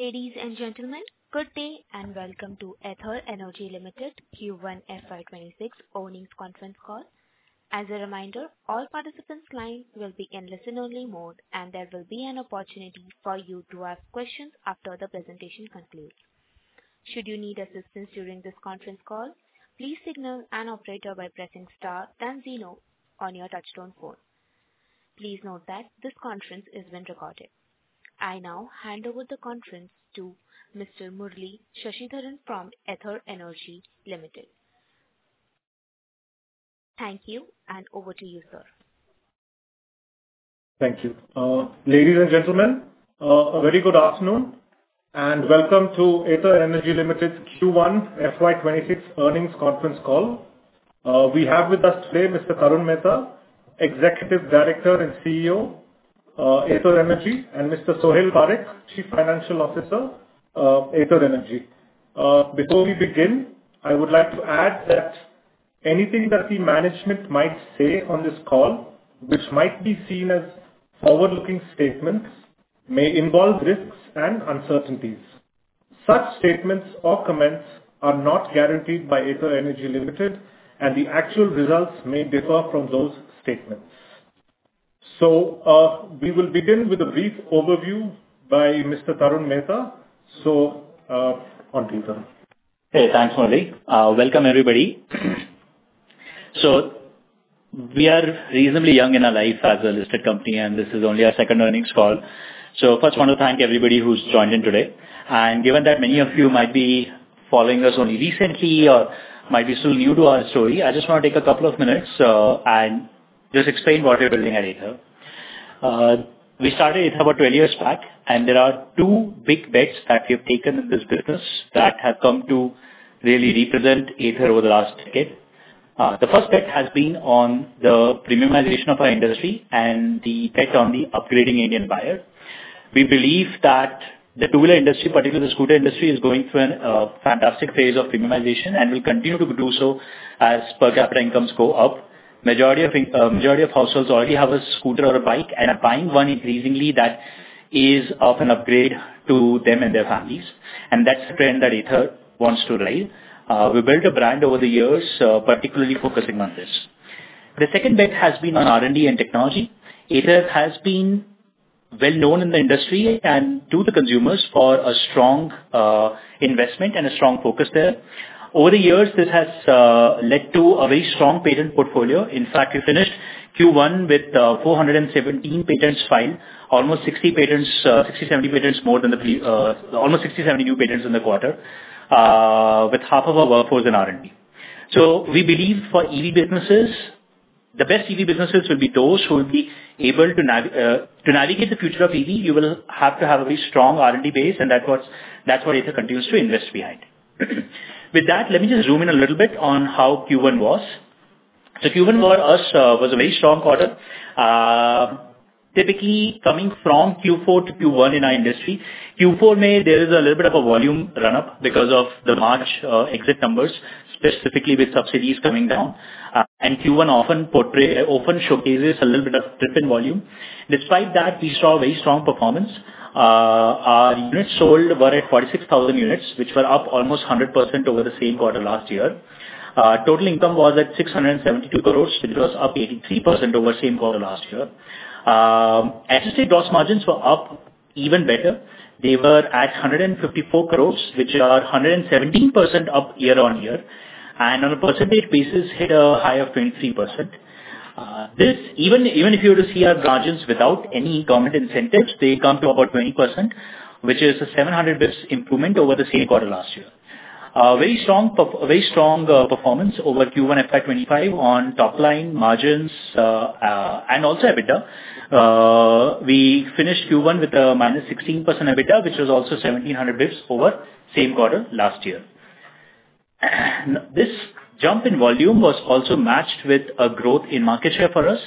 Ladies and gentlemen, good day and welcome to Ather Energy Limited Q1FY26 earnings conference call. As a reminder, all participants' lines will be in listen-only mode and there will be an opportunity for you to ask questions after the presentation concludes. Should you need assistance during this conference call, please signal an operator by pressing star then zero on your touchtone phone. Please note that this conference is being recorded. I now hand over the conference to Mr. Murali Sashidharan from Ather Energy Ltd. Thank you. Over to you, sir. Thank you, ladies and gentlemen, a very good afternoon and welcome to Ather Energy Limited Q1FY26 earnings conference call. We have with us today Mr. Tarun Mehta, Executive Director and CEO Ather Energy and Mr. Sohil Parekh, Chief Financial Officer, Ather Energy. Before we begin, I would like to add that anything that the management might say on this call which might be seen as forward-looking statements may involve risks and uncertainties. Such statements or comments are not guaranteed by Ather Energy Ltd., and the actual results may differ from those statements. So we will begin with a brief overview by Mr. Tarun Mehta. So on to you, Tarun. Hey, thanks, Murali. Welcome, everybody. So we are reasonably young in our life as a listed company and this is only our second earnings call. So first want to thank everybody who's joined in today. And given that many of you might be following us only recently or might be still new to our story, I just want to take a couple of minutes and just explain what we're building at Ather. We started Ather 12 years back and there are two big bets that we have taken in this business that have come to really represent Ather over the last decade. The first bet has been on the premiumization of our industry and the bet on the upgrading Indian buyer. We believe that the two-wheeler industry, particularly the scooter industry, is going through a fantastic phase of premiumization and will continue to do so as per capita incomes go up. Majority of households already have a scooter or a bike and are buying one increasingly that is of an upgrade to them and their families and that's the trend that Ather wants to ride. We built a brand over the years particularly focusing on this. The second bet has been on R&D and technology. Ather has been well known in the industry and to the consumers for a strong investment and a strong focus there. Over the years this has led to a very strong patent portfolio. In fact we finished Q1 with 417 patents filed almost 60 patents 60-70 patents more than the almost 60-70 new patents in the quarter with half of our workforce in R&D. So we believe for EV businesses, the best EV businesses will be those who will be able to navigate the future of EV. You will have to have a very strong R&D base and that's what Ather continues to invest behind. With that, let me just zoom in a little bit on how Q1 was. So Q1 for us was a very strong quarter. Typically coming from Q4 to Q1 in our industry, Q4, there may be a little bit of a volume run-up because of the March exit numbers specifically with subsidies coming down and Q1 often showcases a little bit of a dip in volume. Despite that, we saw a very strong performance. Our units sold were at 46,000 units which were up almost 100% over the same quarter last year. Total income was at 672 crores which was up 83% over same quarter last year. Our gross margins were up even better. They were at 154 crores which are 117% up year on year and on a percentage basis hit a high of 23%. This even if you were to see our margins without any government incentives, they come to about 20% which is a 700 basis points improvement over the same quarter last year. Very strong performance over Q1FY25 on top line margins and also EBITDA. We finished Q1 with a minus 16% EBITDA which was also 1700 basis points over same quarter last year. This jump in volume was also matched with a growth in market share for us.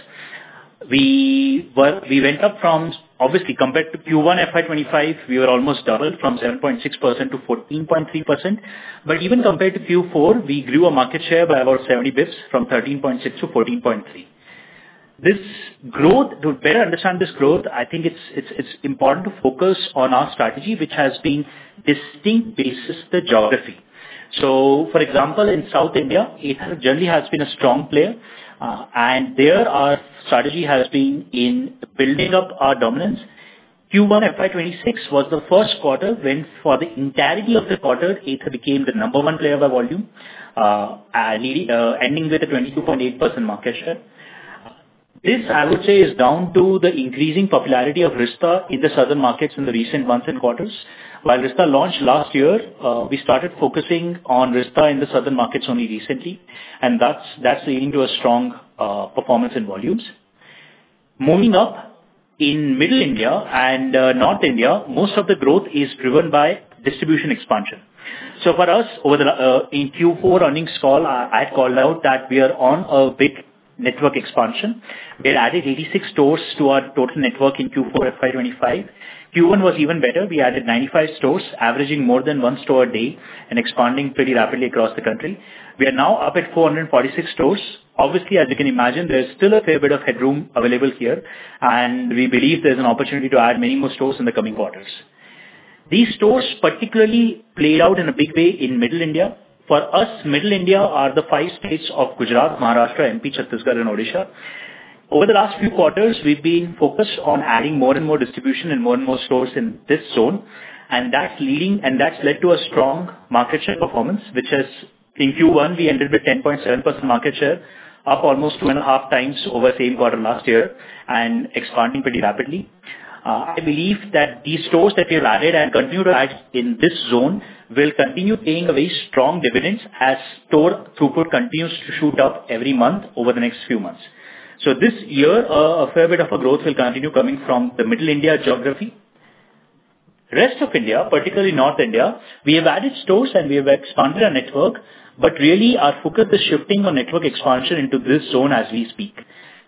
We went up from. Obviously compared to Q1FY25 we were almost double from 7.6% to 14.3%. But even compared to Q4 we grew our market share by about 70 basis points from 13.6% to 14.3%. This growth. To better understand this growth, I think it's important to focus on our strategy, which has been distinct based on the geography. So, for example, in South India we generally have been a strong player, and there our strategy has been in building up our dominance. Q1 FY26 was the first quarter when, for the entirety of the quarter, Ather became the number one player by volume, ending with a 22.8% market share. This I would say is down to the increasing popularity of Rizta in the Southern markets in the recent months and quarters. While Rizta launched last year, we started focusing on Rizta in the Southern markets only recently, and that's leading to a strong performance in volumes moving up in Middle India and North India. Most of the growth is driven by distribution expansion. So for us over the Q4 earnings call, I had called out that we are on a big network expansion. We had added 86 stores to our total network in Q4. FY25 Q1 was even better. We added 95 stores, averaging more than one store a day and expanding pretty rapidly across the country. We are now up at 446 stores. Obviously, as you can imagine, there is still a fair bit of headroom available here and we believe there is an opportunity to add many more stores in the coming quarters. These stores particularly played out in a big way in Middle India for us. Middle India are the five states of Gujarat, Maharashtra, MP, Chhattisgarh and Odisha. Over the last few quarters we've been focused on adding more and more distribution and more and more stores in this zone. And that's leading, and that's led to a strong market share performance which has. In Q1, we ended with 10.7% market share up almost two and a half times over same quarter last year and expanding pretty rapidly. I believe that these stores that we've added and continue to add in this zone will continue paying a strong dividends as store throughput continues to shoot up every month over the next few months. So this year a fair bit of growth will continue coming from the Middle India geography. Rest of India, particularly North India, we have added stores and we have expanded our network. But really our focus is shifting on network expansion into this zone as we speak.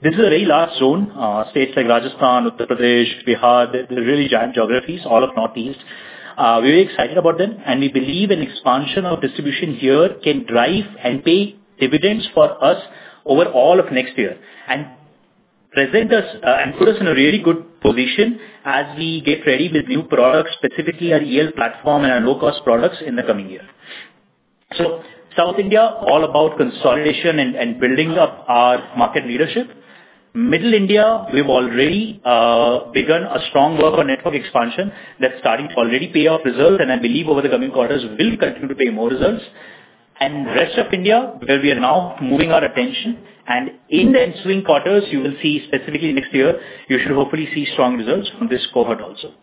This is a very large zone. States like Rajasthan, Uttar Pradesh, Bihar, really giant geographies, all of northeast, very excited about them. We believe an expansion of distribution here can drive and pay dividends for us over all of next year and present us and put us in a really good position as we get ready with new products, specifically our EL Platform and our low cost products in the coming year. South India, all about consolidation and building up our market leadership. Middle India, we've already begun a strong work on network expansion that's starting to already pay off reserves and I believe over the coming quarters will continue to pay more results. Rest of India, where we are now moving our attention and in the ensuing quarters you will see specifically next year you should hopefully see strong results from this cohort. Also,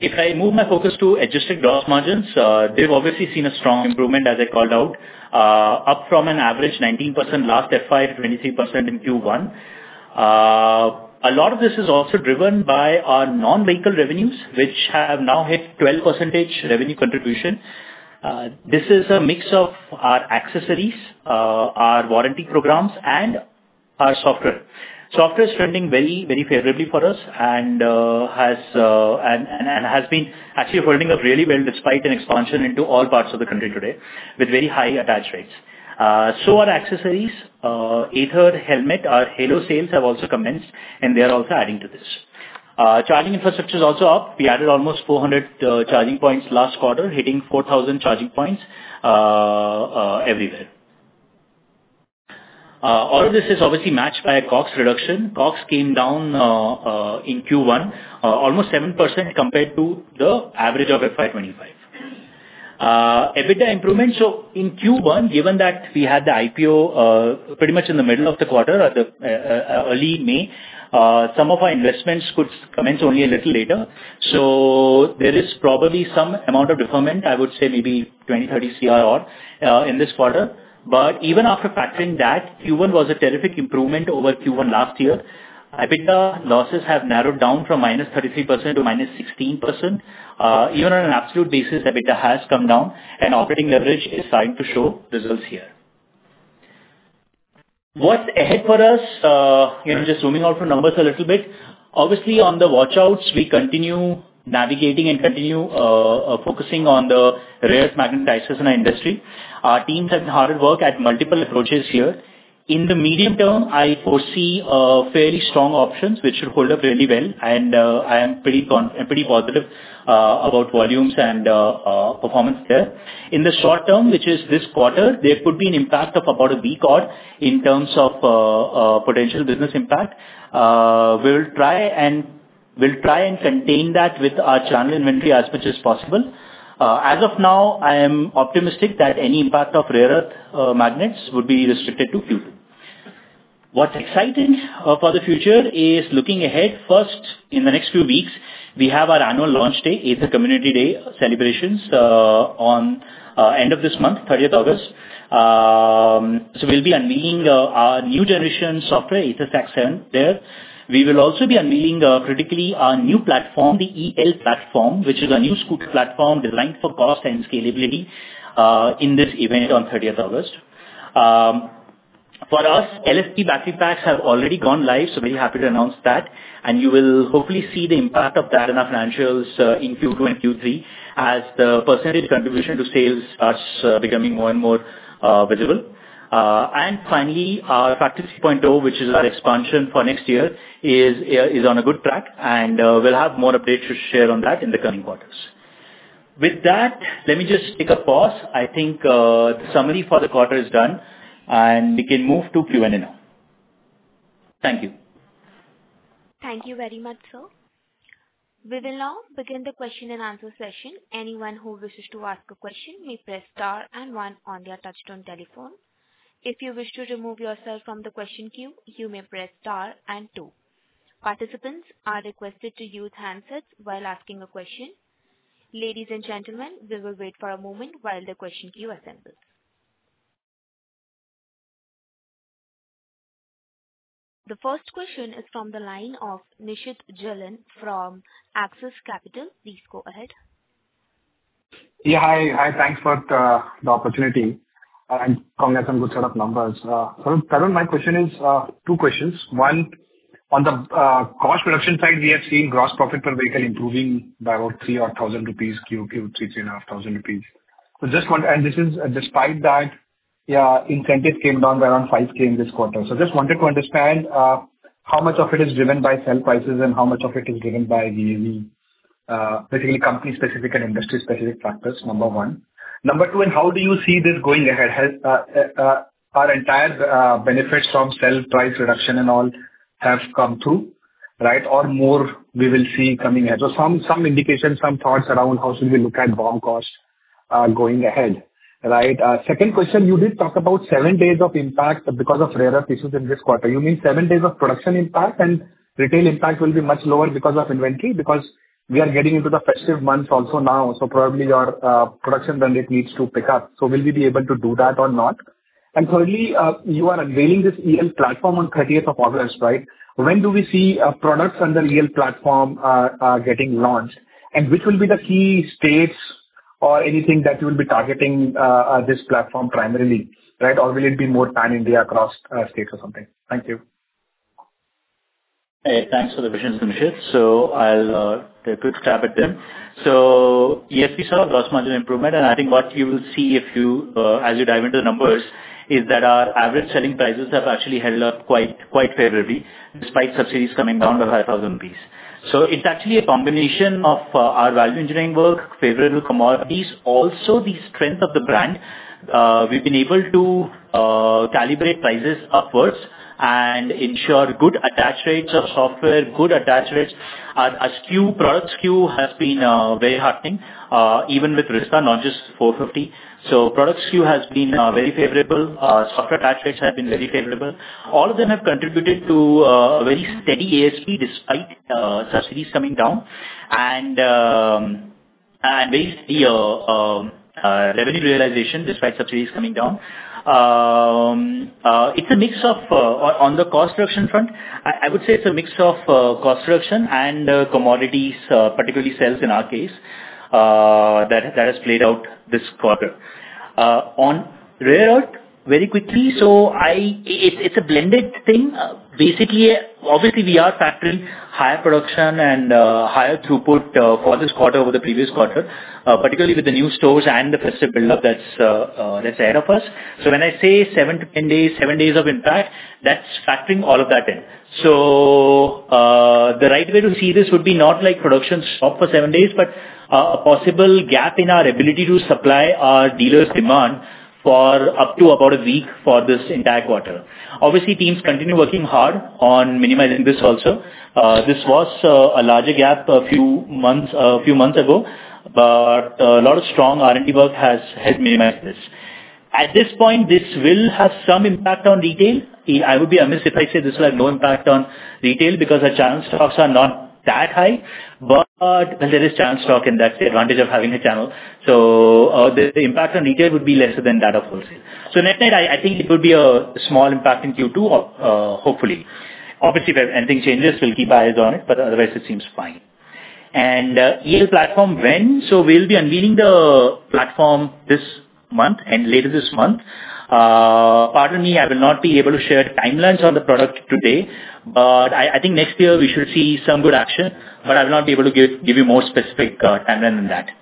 if I move my focus to adjusted gross margins, they've obviously seen a strong improvement as I called out, up from an average 19% last FY to 23% in Q1. A lot of this is also driven by our non-vehicle revenues which have now hit 12% revenue contribution. This is a mix of our accessories, our warranty programs and our software. Software is trending very very favorably for us and has been actually holding up really well despite an expansion into all parts of the country today with very high attach rates. So our accessories, Ather helmet, our Halo sales have also commenced and they are also adding to this. Charging infrastructure is also up. We added almost 400 charging points last quarter hitting 4,000 charging points everywhere. All of this is obviously matched by a cost reduction. Costs came down in Q1 almost 7% compared to the average of FY25 EBITDA improvement. So in Q1, given that we had the IPO pretty much in the middle of the quarter at the end early May, some of our investments could commence only a little later. So there is probably some amount of deferment. I would say maybe 20-30 Cr in this quarter. But even after factoring that Q1 was a terrific improvement over Q1 last year, EBITDA losses have narrowed down from -33% to -16% even on an absolute basis. EBITDA has come down and operating leverage is starting to show the results here. What is ahead for us? Just zooming out for numbers a little bit. Obviously on the watch outs we continue navigating and continue focusing on the rare earth magnets in our industry. Our teams have been hard at work at multiple approaches here. In the medium term, I foresee fairly strong options which should hold up really well, and I am pretty positive about volumes and performance. There are in the short term, which is this quarter, there could be an impact of about a week odd in terms of potential business impact. We will try and contain that with our channel inventory as much as possible. As of now, I am optimistic that any impact of rare earth magnets would be restricted to Q2. What's exciting for the future is looking ahead. First, in the next few weeks, we have our annual launch day. It's a community day celebrations on end of this month, the 30th of August. So we'll be unveiling our new generation software AtherStack 7 there. We will also be unveiling critically our new platform, the EL platform, which is a new scooter platform designed for cost and scalability. In this event, on the 30th of August for us, LFP battery packs have already gone live. So very happy to announce that and you will hopefully see the impact of that in our financials in Q2 and Q3 as the percentage contribution to sales starts becoming more and more visible. And finally, our factory 3.0 which is our expansion for next year is on a good track and we'll have more updates to share on that in the coming quarters. With that, let me just take a pause. I think the summary for the quarter is done and we can move to Q and A now. Thank you. Thank you very much, sir. We will now begin the question and answer session. Anyone who wishes to ask a question may press star and one on their touch-tone telephone. If you wish to remove yourself from the question queue, you may press star and 2. Participants are requested to use handsets while asking a question. Ladies and gentlemen, we will wait for a moment while the question queue assembles. The first question is from the line of Nishit Jalan from Axis Capital. Please go ahead. Yeah. Hi. Thanks for the opportunity and coming up some good set of numbers. Tarun, my question is two questions. One on the cost reduction side we have seen gross profit per vehicle improving by about three-four thousand INR. QoQ 3,500 INR. So just wanted to understand and this is despite that incentive came down by around 5,000 in this quarter. So just wanted to understand how much of it is driven by selling prices and how much of it is driven by basically company specific and industry specific factors, number one. Number two and how do you see this going ahead? Our entire benefits from selling price reduction and all have come through right? Or more we will see coming here. So some indications, some thoughts around how should we look at BOM cost going ahead? Right. Second question: You did talk about seven days of impact because of rare earth issues in this quarter. You mean seven days of production impact, and retail impact will be much lower because of inventory. Because we are getting into the festive months also now. So probably your production run rate needs to pick up. So will we be able to do that or not? And thirdly, you are unveiling this EL Platform on 30th of August. Right. When do we see products on the EL Platform getting launched, and which will be the key states or anything that you will be targeting this platform primarily, right? Or will it be more pan India across states or something? Thank you. Thanks for the question. So I'll take a quick stab at them. So yes, we saw gross margin improvement and I think what you will see if you as you dive into the numbers is that our average selling prices have actually held up quite favorably despite subsidies coming down by 5,000 rupees. So it's actually a combination of our value engineering work, favorable commodities, also the strength of the brand. We've been able to calibrate prices upwards and ensure good attach rates of software. Good attach rates. product skew has been very heartening even with Rizta, not just 450. So product skew has been very favorable. Software attachments have been very favorable. All of them have contributed to a very steady ASP despite subsidies coming down and very solid revenue realization despite subsidies coming down. It's a mix of, on the cost reduction front, I would say it's a mix of cost reduction and commodities, particularly sales in our case that has played out this quarter on rare earth very quickly. So it's a blended thing basically. Obviously we are factoring higher production and higher throughput for this quarter over the previous quarter, particularly with the new stores and the festive buildup that's ahead of us. So when I say seven to ten days, seven days of impact, that's factoring all of that in. So the right way to see this would be not like production stop for seven days, but a possible gap in our ability to supply our dealers' demand for up to about a week for this entire quarter. Obviously teams continue working hard on minimizing this. Also this was a larger gap a few months a few months ago, but a lot of strong R&D work has helped minimize this at this point. This will have some impact on retail. I would be remiss if I say this will have no impact on retail because our channel stocks are not that high but when there is channel stock and that's the advantage of having a channel so the impact on retail would be lesser than that of wholesale. So, net net, I think it would be a small impact in Q2 hopefully. Obviously if anything changes we'll keep an eye on it, but otherwise it seems fine, and EL Platform when? So we'll be unveiling the platform this month and later this month. Pardon me, I will not be able to share timelines on the product today, but I think next year we should see some good action. But I will not be able to give you more specific timeline than that.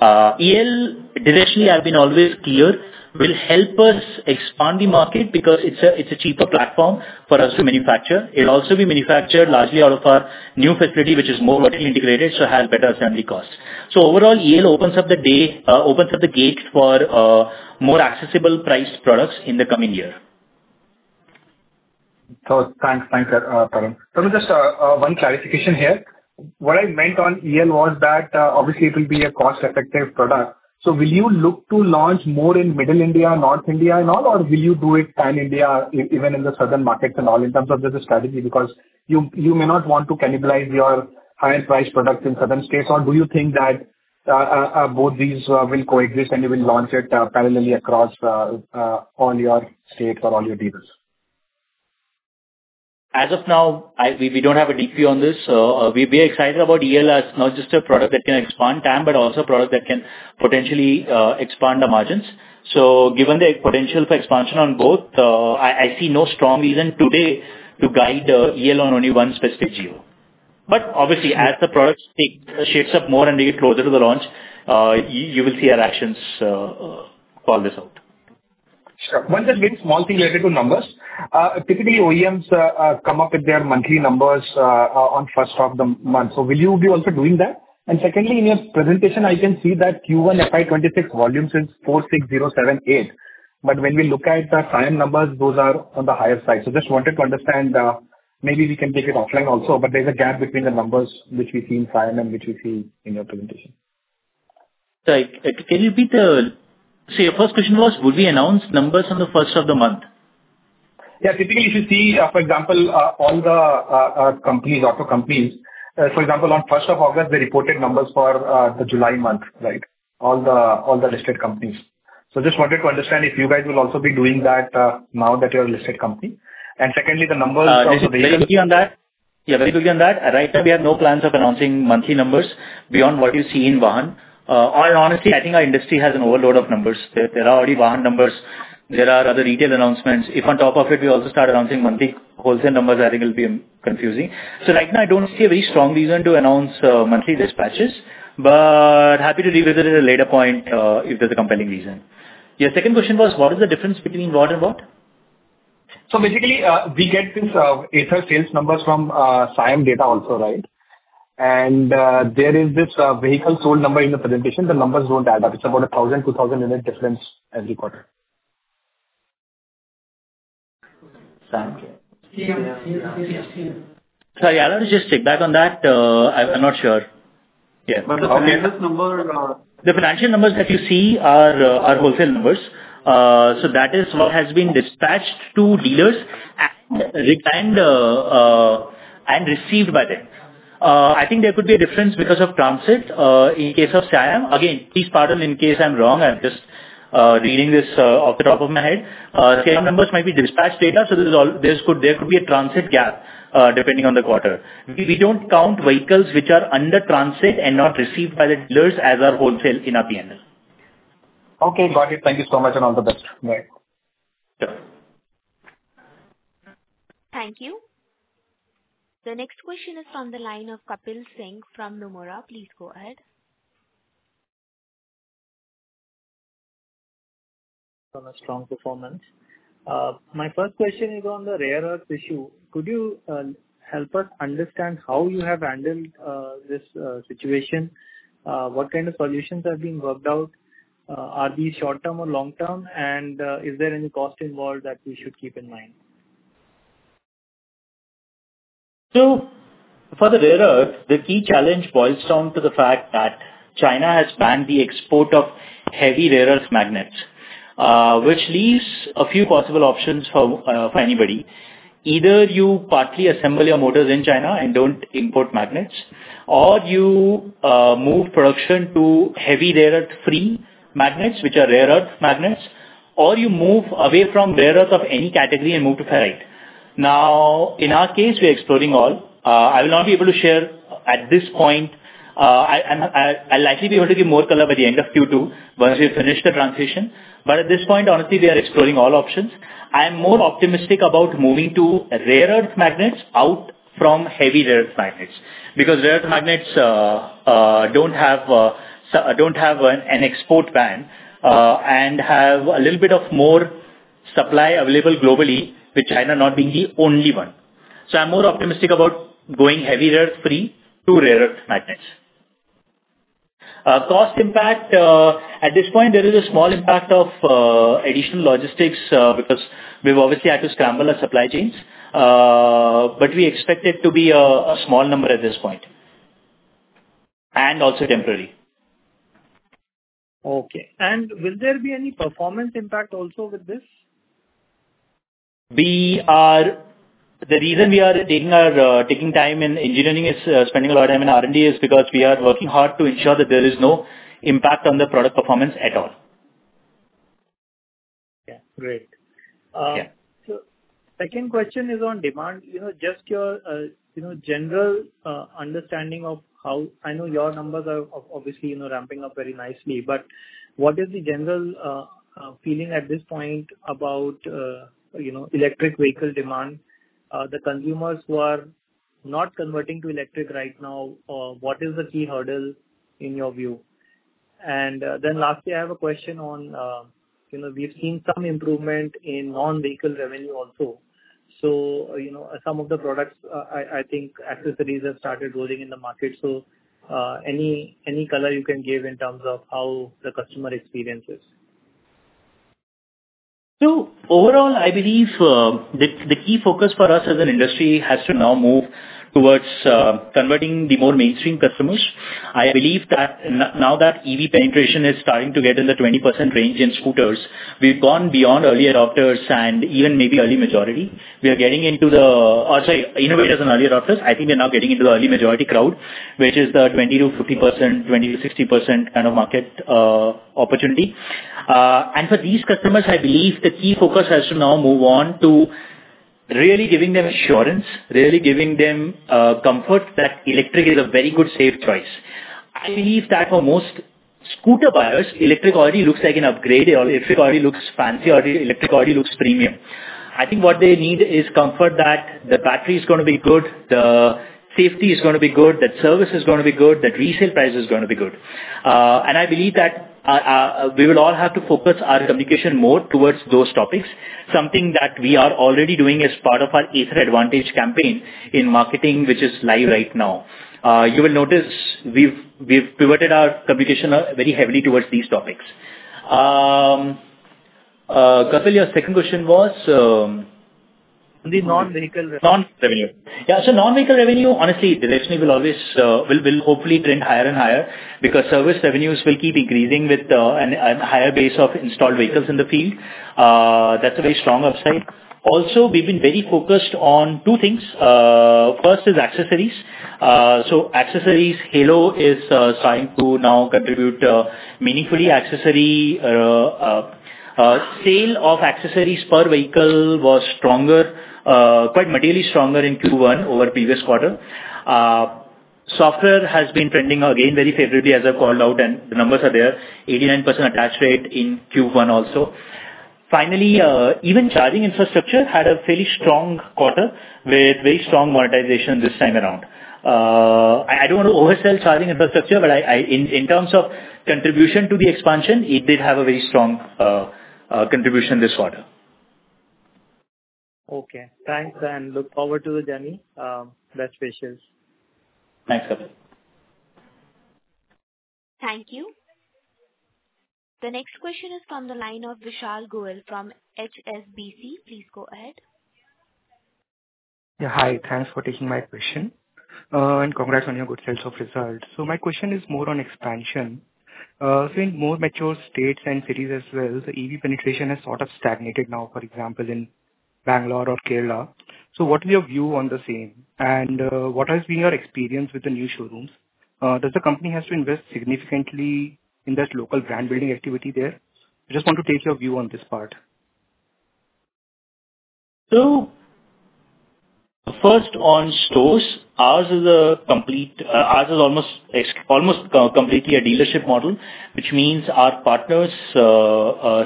EL, I've been always clear will help us expand the market because it's a cheaper platform for us to manufacture. It will also be manufactured largely out of our new facility which is more vertically integrated so has better assembly costs. So overall EL opens up the way, opens up the gate for more accessibly priced products in the coming year. So thanks, thanks. Just one clarification here. What I meant on EL was that obviously it will be a cost-effective product. Will you look to launch more in Middle India, North India and all, or will you do it pan India, even in the southern markets and all in terms of the strategy because you may not want to cannibalize your higher price products in southern states or do you think that both these will coexist and you will launch it parallel across all your dealers? As of now, we don't have a DP on this. We are excited about EL as not just a product that can expand TAM, but also product that can potentially expand the margins. Given the potential for expansion on both, I see no strong reason today to guide EL on only one specific Geo. But obviously as the product shifts up more and they get closer to the launch, you will see our actions call this out. Sure. Once again, small thing related to numbers. Typically OEMs come up with their monthly numbers on first of the month. So will you be also doing that? And secondly in your presentation I can see that Q1 FY26 volumes is 46078 but when we look at the SIAM numbers, those are on the higher side. So just wanted to understand, maybe we can take it offline also. But there's a gap between the numbers which we see in and which we see in your presentation. See your first question was would we announce numbers on the first of the month? Yeah, typically if you see for example all the companies, auto companies for example, on 1st of August they reported numbers for the July month. Right. All the listed companies. So just wanted to understand if you guys will also be doing that now that you're listed company. And secondly the numbers also the urgency on that. Yeah, very good on that. Right now we have no plans of announcing monthly numbers beyond what you see in Vahan. Honestly, I think our industry has an overload of numbers. There are already Vahan numbers. There are other retail announcements. If on top of it we also start announcing monthly wholesale numbers, I think it'll be confusing. So right now I don't see a very strong reason to announce monthly dispatches. But happy to revisit at a later point if there's a compelling reason. Your second question was what is the difference between what and what? So basically we get this Ather sales numbers from SIAM data also. Right. And there is this vehicle sold number in the presentation. The numbers don't add up. It's about a thousand, two thousand unit difference every quarter. Sorry, I'll just check back on that. I'm not sure. Yeah, the financial numbers that you see are wholesale numbers. So that is what has been dispatched to dealers and received by them. I think there could be a difference because of transit in case of SIAM. Again, please pardon in case I'm wrong. I'm just reading this off the top of my head. Numbers might be dispatch data so there could be a transit gap depending on the quarter. We don't count vehicles which are under transit and not received by the dealers as our wholesale in our P&L. Okay, got it. Thank you so much and all the best. Thank you. The next question is from the line of Kapil Singh from Nomura. Please go ahead. Strong performance. My first question is on the rare earth issue. Could you help us understand how you have handled this situation? What kind of solutions are being worked out? Are these short term or long term? And is there any cost involved that we should keep in mind? So for the rare earth, the key challenge boils down to the fact that China has banned the export of heavy rare earth magnets, which leaves a few possible options for anybody. Either you partly assemble your motors in China and don't import magnets, or you move production to heavy rare earth free magnets, which are rare earth magnets. Or you move away from rare earth of any category and move to ferrite. Now in our case, we are exploring all. I will not be able to share at this point. I'll likely be able to give more color by the end of Q2 once we finish the transition. But at this point, honestly, we are exploring all options. I am more optimistic about moving to rare earth magnets out from heavy rare earth magnets because rare earth magnets don't have an export ban and have a little bit of more supply available globally with China not being the only one. So I'm more optimistic about going heavy rare earth free to rare earth magnets. Cost impact at this point. There is a small impact of additional logistics because we've obviously had to scramble our supply chains. But we expect it to be a small number at this point and also temporary. Okay. And will there be any performance impact also with this, We are. The reason we are taking our time in engineering is spending a lot of time in R&D is because we are working hard to ensure that there is no impact on the product performance at all. Yeah, great. Second question is on demand, you know, just your, you know, general understanding of how. I know your numbers are obviously, you know, ramping up very nicely. But what is the general feeling at this point about, you know, electric vehicle demand? The consumers who are not converting to electric right now. What is the key hurdle in your view. And then lastly, I have a question on, you know, we've seen some improvement in non-vehicle revenue also. So, you know, some of the products, I think accessories have started rolling in the market. So any color you can give in terms of how the customer experiences. So overall I believe the key focus for us as an industry has to now move towards converting the more mainstream customers. I believe that now that EV penetration is starting to get in the 20% range in scooters, we've gone beyond early adopters and even maybe early majority. We are getting into the innovators and early adopters. I think we are now getting into the early majority crowd which is the 20%-50%, 20%-60% kind of market opportunity. And for these customers, I believe the key focus has to now move on to really giving them assurance, really giving them comfort that electric is a very good safe choice. I believe that for most scooter buyers, electric auto looks like an upgrade. Electric auto looks fancy. Electric auto looks premium. I think what they need is comfort that the battery is going to be good, the safety is going to be good, that service is going to be good, that resale price is going to be good. And I believe that we will all have to focus our communication more towards those topics. Something that we are already doing as part of our Ather Advantage campaign in marketing, which is live right now. You will notice we've pivoted our communication very heavily towards these topics. Kapil, your second question was the non vehicle? Yeah, so non vehicle revenue. Honestly, direction will always hopefully trend higher and higher because service revenues will keep increasing with a higher base of installed vehicles in the field. That's a very strong observation. Also we've been very focused on two things. First is accessories. So accessories Halo is trying to now contribute meaningfully. Accessory sales of accessories per vehicle was stronger, quite materially stronger in Q1 over previous quarter. Software has been trending again very favorably as I called out, and the numbers are there, 89% attach rate in Q1. Also, finally, even charging infrastructure had a fairly strong quarter with very strong monetization this time around. I don't want to oversell charging infrastructure, but in terms of contribution to the expansion, it did have a very strong contribution this quarter. Okay, thanks, and look forward to the journey. Best wishes. Thanks. Thank you. The next question is from the line of Vishal Goel from HSBC. Please go ahead. Hi, thanks for taking my question and congrats on your good set of results. So my question is more on expansion, so in more mature states and cities as well. The EV penetration has sort of stagnated now for example in Bangalore or Kerala. So what is your view on the same and what has been your experience with the new showrooms? Does the company have to invest significantly in that local brand building activity there? I just want to get your view on this part. So first on stores, ours is almost completely a dealership model which means our partners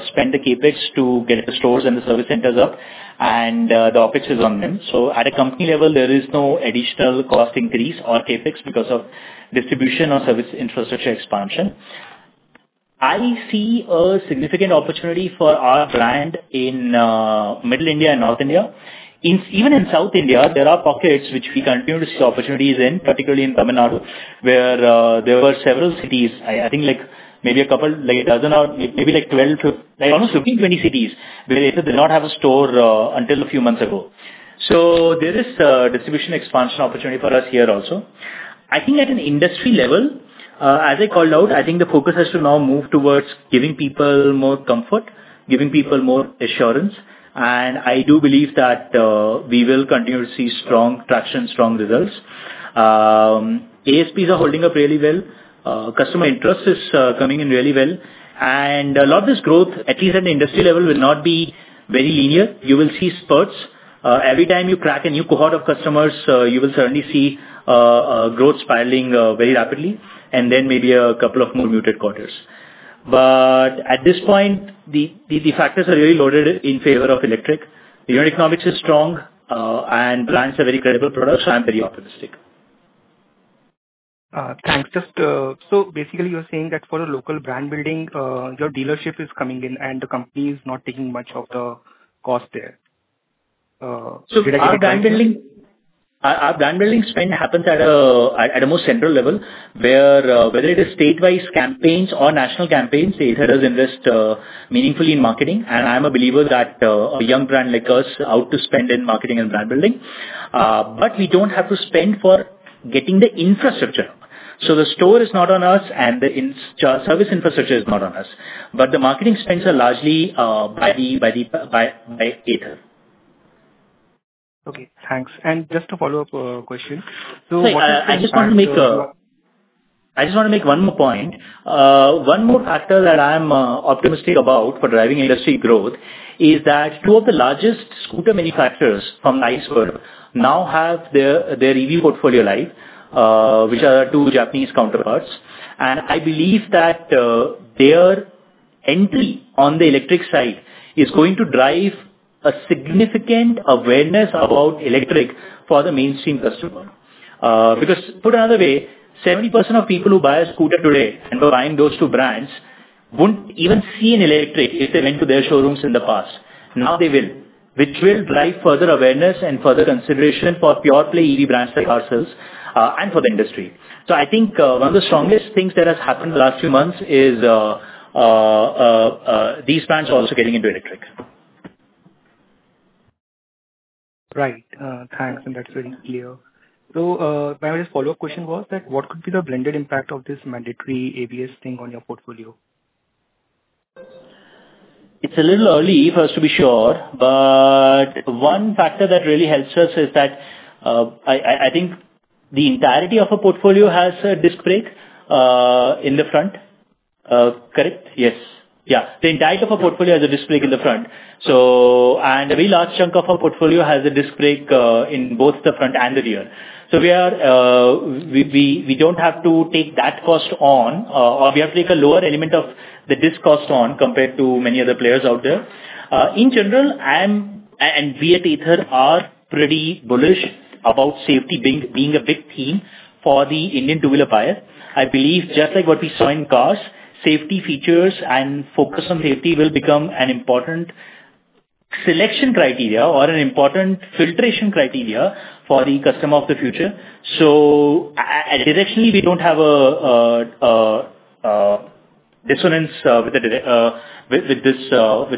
spend the CapEx to get the stores and the service centers up and the OpEx is on them. So at a company level there is no additional cost increase or CapEx because of distribution or service infrastructure expansion. I see a significant opportunity for our brand in Middle India and North India. Even in South India there are pockets which we continue to see opportunities in, particularly in TAMil Nadu where there were several cities, I think like maybe a couple, like a dozen or maybe like 12, 15, almost 15, 20 cities did not have a store until a few months ago, so there is distribution expansion opportunity for us here also I think at an industry level, as I called out, I think the focus has to now move towards giving people more comfort, giving people more assurance, and I do believe that we will continue to see strong traction, strong results. ASP is holding up really well. Customer interest is coming in really well and a lot of this growth, at least at the industry level, will not be very linear. You will see spurts every time you crack a new cohort of customers. You will certainly see growth spiraling very rapidly and then maybe a couple of more muted quarters, but at this point the factors are really loaded in favor of electric. The unit economics is strong and brands are very credible products. I'm very optimistic at this point, thanks. Just, so basically you're saying that for a local brand building your dealership is coming in and the company is not taking much of the cost there? Our brand building spend happens at a more central level where whether it is statewide campaigns or national campaigns, the Ather does invest meaningfully in marketing, and I'm a believer that a young brand like us to spend in marketing and brand building but we don't have to spend for getting the infrastructure. So the store is not on us and the service infrastructure is not on us. But the marketing spends are largely by Ather. Okay, thanks. And just a follow up question. I just want to make one more point. One more factor that I am optimistic about for driving industry growth is that two of the largest scooter manufacturers from ICE now have their EV portfolio live, which are two Japanese counterparts. And I believe that their entry on the electric side is going to drive a significant awareness about electric for the mainstream customer. Because put another way, 70% of people who buy a scooter today and are buying those two brands wouldn't even see an electric if they went to their showrooms in the past. Now they will, which will drive further awareness and further consideration for pure play EV brands like ourselves and for the industry. I think one of the strongest things that has happened in the last few months is these brands also getting into electric. Right, thanks. And that's very clear. So my follow-up question was that what could be the blended impact of this mandatory ABS thing on your portfolio? It's a little early for us to be sure, but one factor that really helps us is that I think the entirety of a portfolio has a disc brake in the front, correct? Yes, yes. The entirety of a portfolio has a disc brake in the front. So. And a very large chunk of our portfolio has a disc brake in both the front and the rear. So we are, we don't have to take that cost on or we have to take a lower element of the disc cost on compared to many other players out there in general. We at Ather are pretty bullish about safety being a big theme for the Indian two-wheeler buyer. I believe just like what we saw in cars, safety features and focus on safety will become an important selection criteria or an important filtration criteria for the customer of the future. Directionally we don't have a dissonance with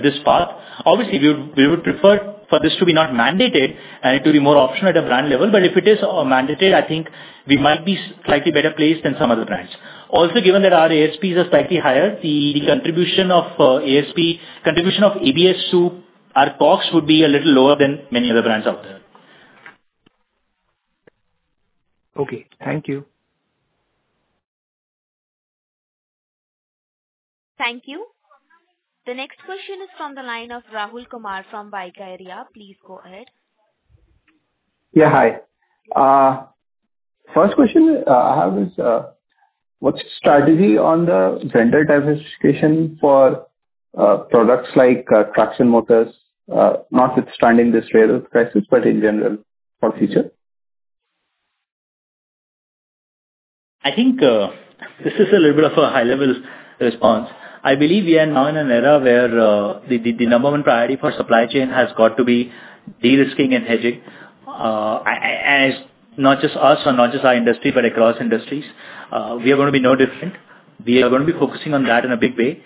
this path. Obviously we would prefer for this to be not mandated and it will be more optional at a brand level. If it is mandatory I think we might be slightly better placed than some other brands. Also given that our ASPs are slightly higher, the contribution of ABS to our ASP would be a little lower than many other brands out there. Okay, thank you. Thank you. The next question is from the line of Rahul Kumar from BofA. Please go ahead. Yeah, hi. First question I have is what's the strategy on the vendor diversification for products like Traction Motors notwithstanding this trade-off crisis, but in general for future? I think this is a little bit of a high-level response. I believe we are now in an era where the number one priority for supply chain has got to be de-risking and hedging not just us or not just our industry but across industries. We are going to be no different. We are going to be focusing on that in a big way.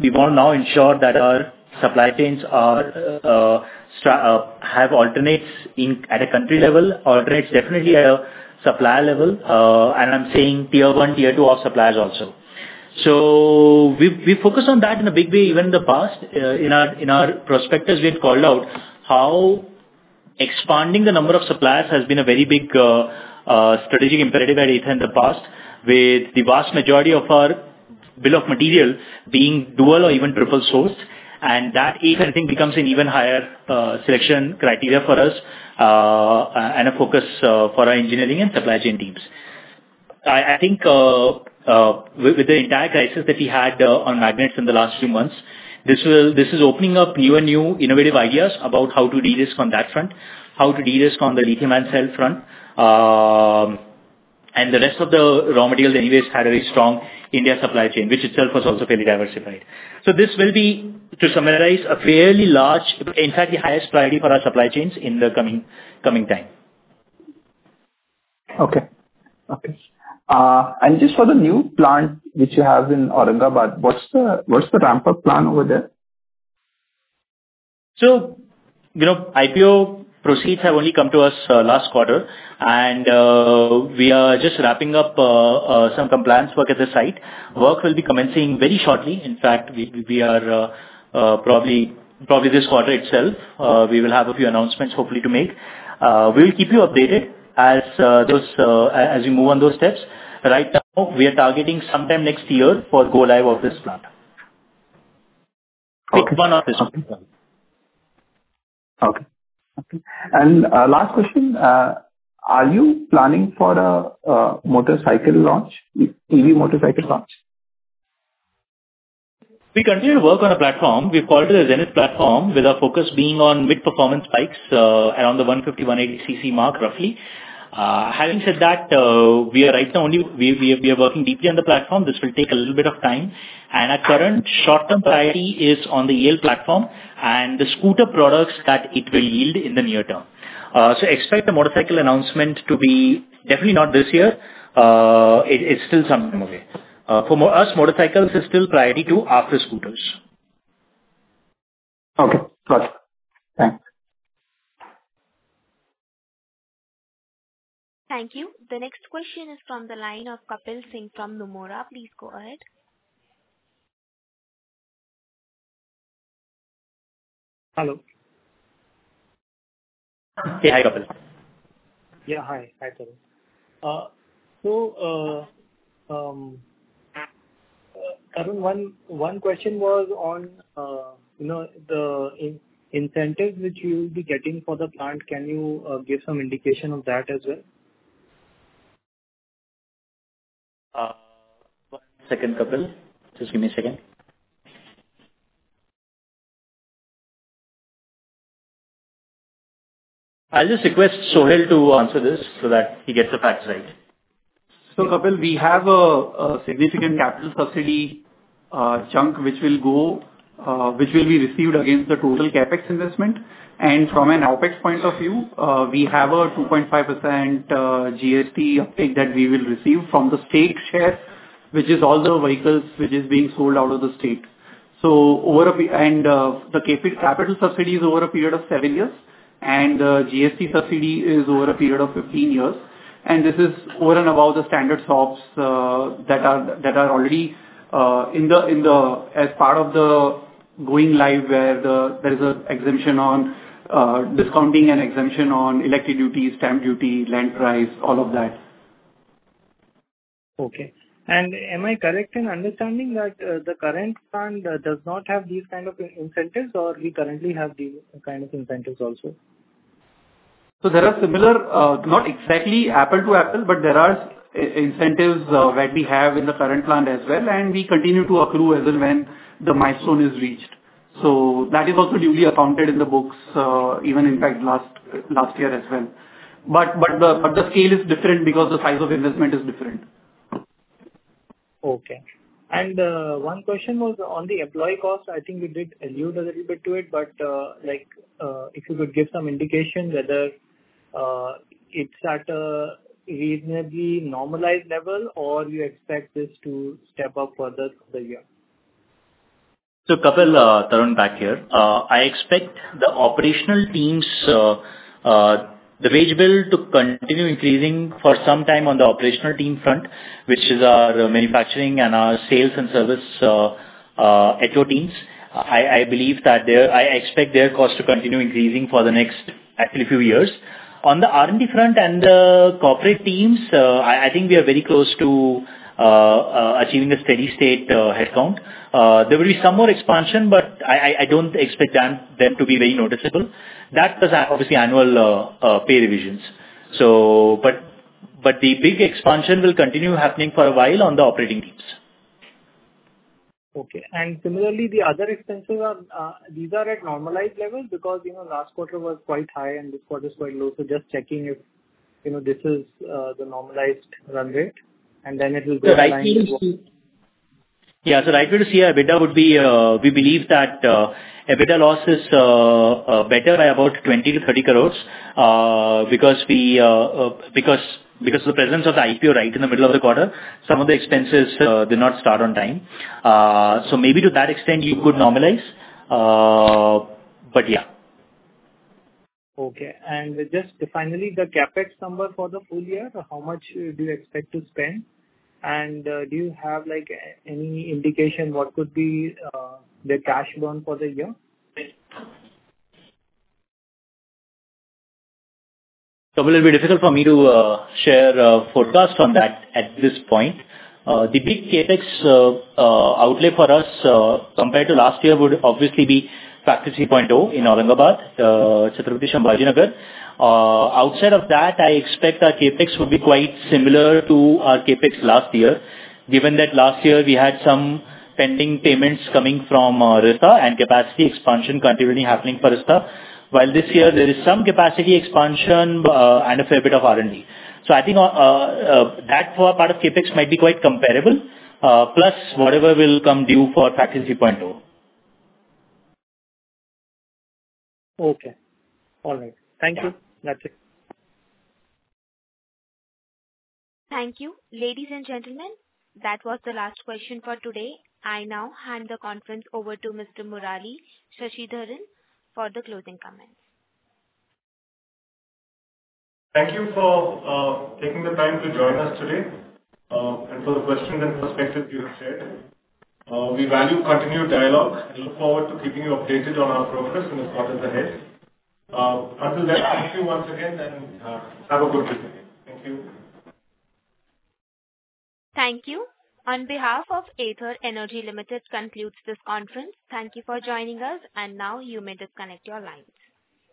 We want to now ensure that our supply chains are have alternatives at a country level. Alternatives definitely at a supplier level and I'm saying tier one, tier two of suppliers also. So we focus on that in a big way. Even in the past, in our prospectus, we had called out how expanding the number of suppliers has been a very big strategic imperative at Ather in the past, with the vast majority of our bill of material being dual or even triple source, and that becomes an even higher selection criteria for us and a focus for our engineering and supply chain teams. I think with the entire crisis that we had on magnets in the last few months, this is opening up new and new innovative ideas about how to de-risk on that front, how to de-risk on the lithium-ion cell front, and the rest of the raw materials anyways had a strong India supply chain which itself was also fairly diversified. So this will be, to summarize, a fairly large, in fact the highest, priority for our supply chains in the coming time. Okay. Okay. And just for the new plant which you have in Aurangabad, what's the ramp up plan over there? So you know IPO proceeds have only come to us last quarter and we just wrapping up some compliance work at the site. Work will be commencing very shortly. In fact we are probably this quarter itself. We will have a few announcements hopefully to make. We will keep you updated as we move on those steps. Right now we are targeting sometime next year for go live of this plant. Okay. And last question. Are you planning for a motorcycle launch? EV motorcycle launch? We continue to work on a platform. We called it a Zenith Platform with our focus being on mid performance bikes around the 150-180cc mark roughly. Having said that, we are right now only working deeply on the platform. This will take a little bit of time and our current short-term priority is on the EL platform and the scooter products that it will yield in the near term. So expect the motorcycle announcement to be definitely not this year. It's still some for us. Motorcycles is still priority to Ather scooters. Okay, got it. Thanks. Thank you. The next question is from the line of Kapil Singh from Nomura. Please go ahead. Hello. Yeah, hi. Hi. So. Tarun, one question was on you know the incentives which you will be getting for the plant. Can you give some indication of that as well? One second Kapil, just give me a second. I'll just request Sohil to answer this so that he gets the facts right. So Kapil, we have a significant capital subsidy chunk which will be received against the total CAPEX investment and from an OPEX point of view we have a 2.5% GST uptake that we will receive from the state share which is all the vehicles being sold out of the state. And the capital subsidies over a period of seven years and the GST subsidy is over a period of 15 years. And this is over and above the standard SOPs. As part of the going live where there is an exemption on discounting, an exemption on excise duties, sTAMp duty, land price, all of that. Okay, and am I correct in understanding that the current plant does not have these kind of incentives or we currently have these kind of incentives also? So, there are similar, not exactly apple-to-apple, but there are incentives that we have in the current plant as well and we continue to accrue as and when the milestone is reached. So, that is also duly accounted in the books, even in fact last year as well. But the scale is different because the size of investment is different. Okay, and one question was on the employee cost. I think we did allude a little bit to it. But like, if you could give some indication whether it's at a reasonably normalized level or you expect this to step up further the year? So, Kapil, Tarun back here. I expect the operational teams, the wage bill to continue increasing for some time on the operational team front, which is our manufacturing and our sales and service HO teams. I believe that I expect their cost to continue increasing for the next actually few years. On the R&D front and the corporate teams, I think we are very close to achieving a steady state headcount. There will be some more expansion, but I don't expect them to be very noticeable. That does obviously annual pay revisions, but the big expansion will continue happening for a while on the operating teams. Okay.Similarly, the other expenses, these are at normalized levels because last quarter was quite high and this quarter is quite low. So just checking if you know this is the normalized run rate and then it will. Yeah. So right way to see EBITDA would be we believe that EBITDA loss is better by about 20-30 crores because of the presence of the IPO right in the middle of the quarter, some of the expenses did not start on time. So maybe to that extent you could normalize. But yeah. Okay. Just finally, the CAPEX number for the full year. How much do you expect to spend and do you have like any indication what could be the cash burn for the year. Difficult for me to share forecast on that at this point. The big CAPEX outlay for us compared to last year would obviously be Factory 3.0 in Aurangabad, Chhatrapati Sambhajinagar, and Bidkin. Outside of that, I expect our CAPEX would be quite similar to our CAPEX last year given that last year we had some pending payments coming from Rizta and capacity expansion continually happening for Rizta. While this year there is some capacity expansion and a fair bit of R&D. So I think that part of CAPEX might be quite comparable. Plus whatever will come due for Factory 3.0. Okay. All right, thank you. That's it. Thank you ladies and gentlemen. That was the last question for today. I now hand the conference over to Mr. Murali Sashidharan for the closing comments. Thank you for taking the time to join us today and for the questions and perspectives you have shared. We value continued dialogue and look forward to keeping you updated on our progress in the quarters ahead. Until then, thank you once again and have a good. Thank you. Thank you. On behalf of Ather Energy Limited, this concludes this conference. Thank you for joining us, and now you may disconnect your lines.